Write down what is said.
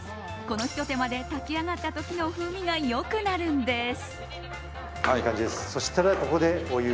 このひと手間で炊き上がった時の風味が良くなるんです。